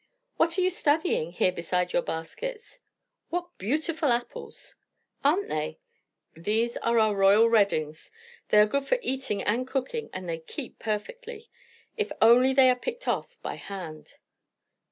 "What are you studying, here beside your baskets? What beautiful apples!" "Aren't they? These are our Royal Reddings; they are good for eating and cooking, and they keep perfectly. If only they are picked off by hand."